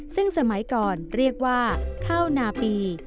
ซึ่งสมัยก่อนเรียกว่าข้าวนาปี